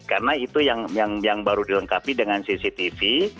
karena itu yang baru dilengkapi dengan cctv